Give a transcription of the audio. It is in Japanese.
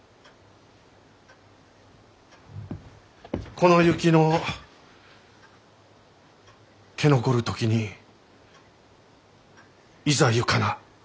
「この雪の消残る時にいざ行かな」。